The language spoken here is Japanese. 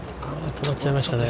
止まっちゃいましたね。